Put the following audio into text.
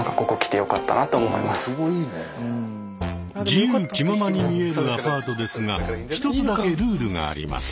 自由気ままに見えるアパートですが１つだけルールがあります。